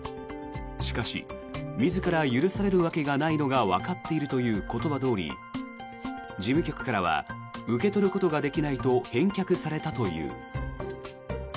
しかし、自ら許されるわけがないのはわかっているという言葉どおり事務局からは受け取ることができないと返却されたという。